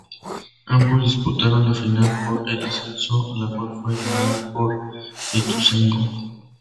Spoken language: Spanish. Ambos disputaron la final por el ascenso, la cual fue ganada por Ituzaingó.